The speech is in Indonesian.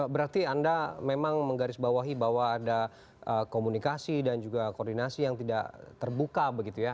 berarti anda memang menggarisbawahi bahwa ada komunikasi dan juga koordinasi yang tidak terbuka begitu ya